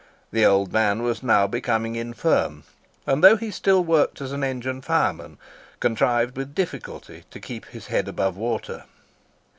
The old man was now becoming infirm, and, though he still worked as an engine fireman, contrived with difficulty "to keep his head above water."